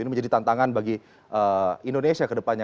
ini menjadi tantangan bagi indonesia kedepannya